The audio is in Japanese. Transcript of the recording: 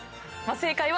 正解は。